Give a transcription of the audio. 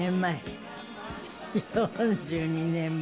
４２年前？